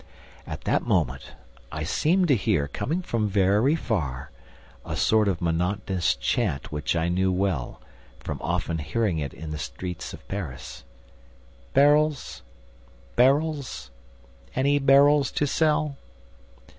At that moment, I seemed to hear, coming from very far, a sort of monotonous chant which I knew well, from often hearing it in the streets of Paris: "Barrels! ... Barrels! ... Any barrels to sell?"